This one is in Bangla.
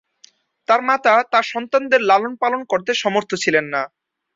তার মাতা তার সন্তানদের লালনপালন করতে সমর্থ ছিলেন না।